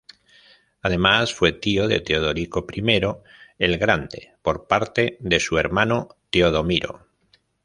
Además, fue tío de Teodorico I el Grande por parte de su hermano Teodomiro.